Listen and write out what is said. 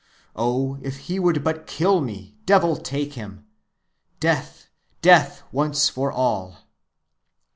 Oh, if he would but kill me, devil take him! Death, death, once for all!